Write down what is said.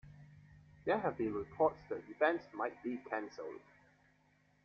There have been reports the event might be canceled.